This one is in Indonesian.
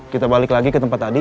kita balik lagi ke tempat tadi